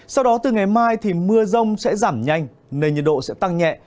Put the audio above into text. sau đó từ ngày mai mưa rông sẽ giảm nhanh nền nhiệt độ sẽ tăng nhẹ